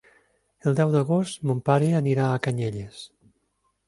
El deu d'agost mon pare anirà a Canyelles.